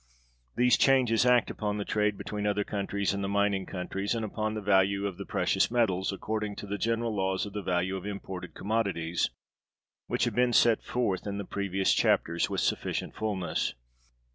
These changes act upon the trade between other countries and the mining countries, and upon the value of the precious metals, according to the general laws of the value of imported commodities: which have been set forth in the previous chapters with sufficient fullness.